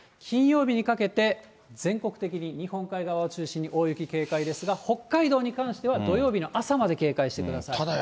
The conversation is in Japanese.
金曜日にかけて、全国的に日本海側を中心に大雪警戒ですが、北海道に関しては、土曜日の朝まで警戒してください。